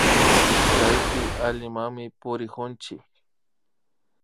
Kaypi allillami purikunchik